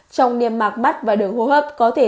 trong niêm mạc mắt và đường hô hấp có thể